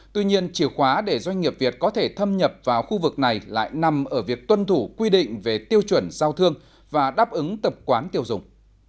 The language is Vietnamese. tuy nhiên chìa khóa để doanh nghiệp việt có thể thâm nhập vào khu vực này lại nằm ở việc tuân thủ quy định về tiêu chuẩn giao thương và đáp ứng tập quán tiêu dùng